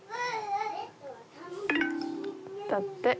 だって。